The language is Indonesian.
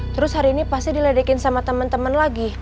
terus hari ini pasti diledekin sama temen temen lagi